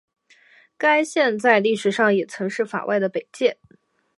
该线在历史上也曾是法外的北界。